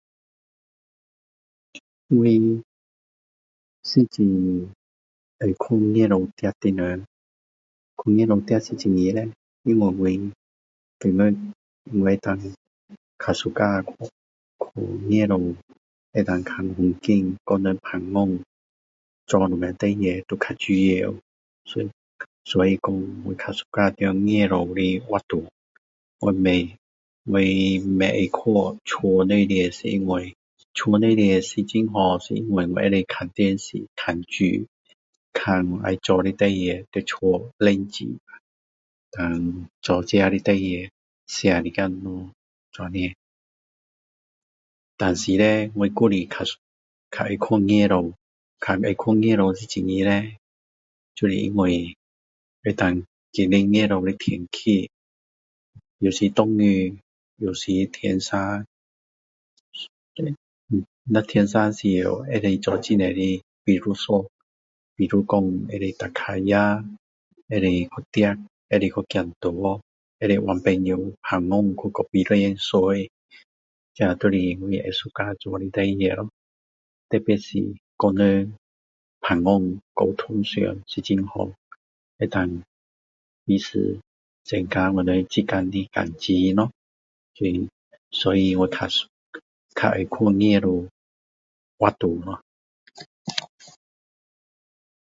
我是喜欢去外面跑的人去外面跑是很热then 我比较喜欢区外面看风景可以跟别人聊天做什么事情都比较自由所以说我比较喜欢在外面活动我不喜欢在家里面因为家里里面是很好是因为我可以看电视看书看我要做的事在家冷静吧做自己的事情写一点东西这样子但是我还是比较喜欢去外面比较喜欢去外面是为什么叻就是因为可以看见外面的天气有时下雨有时天晴如果天晴的时候可以做很多的比如说比如说可以骑脚车可以去跑可以去走路可以叫朋友聊天去kopitiam 聊天这就是我喜欢做的事情咯特别可以跟别人聊天增进感情咯所以我喜欢去外面活动